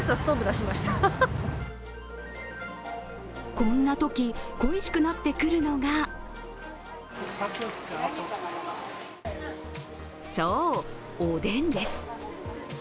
こんなとき、恋しくなってくるのがそう、おでんです。